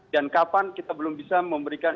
dan kapan kita belum bisa memberikan